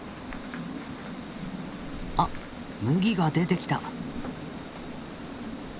あっむぎが出てきた。